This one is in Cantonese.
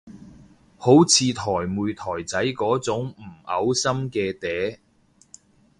好似台妹台仔嗰種唔嘔心嘅嗲